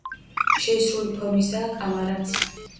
შეისრული ფორმისაა კამარაც.